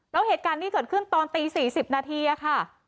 แล้วเหตุการณ์นี้เกิดขึ้นตอนตี๔๐นาทีค่ะ